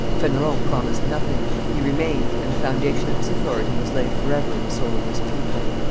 Fenelon promised nothing; he remained, and the foundation of his authority was laid forever in the soul of his pupil.